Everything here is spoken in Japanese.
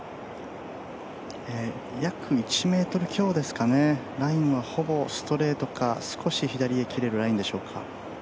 約１ｍ強ですかね、ラインはほぼストレートか少し左へ切れるラインでしょうか。